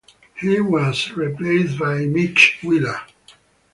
He was replaced by Mitch Wheeler.